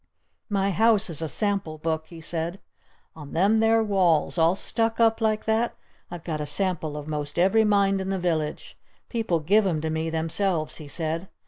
My house is a sample book," he said. "On them there walls all stuck up like that I've got a sample of most every mind in the village! People give 'em to me themselves," he said.